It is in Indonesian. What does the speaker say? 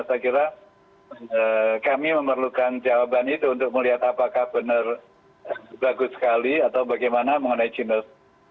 saya kira kami memerlukan jawaban itu untuk melihat apakah benar bagus sekali atau bagaimana mengenai chinos